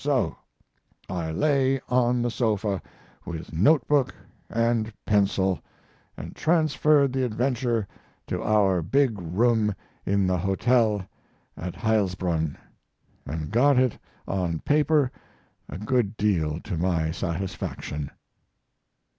So I lay on the sofa with note book and pencil, and transferred the adventure to our big room in the hotel at Heilsbronn, and got it on paper a good deal to my satisfaction.